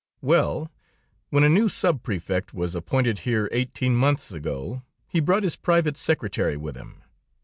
"Well, when a new sub prefect was appointed here eighteen months ago, he brought his private secretary with him.